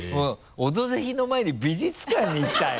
「オドぜひ」の前に美術館に行きたい？